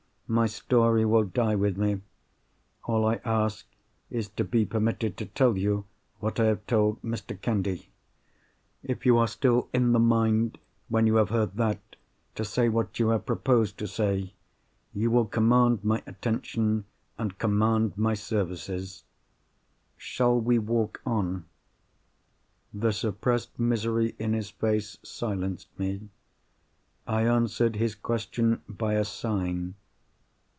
My story will die with me. All I ask, is to be permitted to tell you, what I have told Mr. Candy. If you are still in the mind, when you have heard that, to say what you have proposed to say, you will command my attention and command my services. Shall we walk on?" The suppressed misery in his face silenced me. I answered his question by a sign.